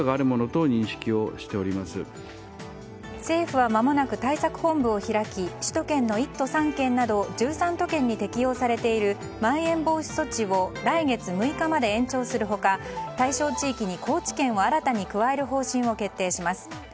政府はまもなく対策本部を開き首都圏の１都３県など１３都県に適用されているまん延防止措置を来月６日まで延長する他対象地域に高知県を新たに加える方針を決定します。